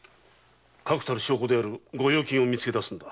確たる証拠である御用金を見つけだすんだ。